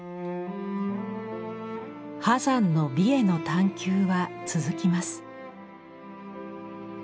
波山の美への探求は続きます。